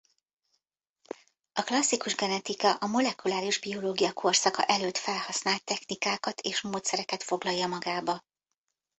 A klasszikus genetika a molekuláris biológia korszaka előtt felhasznált technikákat és módszereket foglalja magába.